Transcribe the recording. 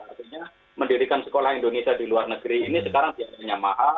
artinya mendirikan sekolah indonesia di luar negeri ini sekarang biayanya mahal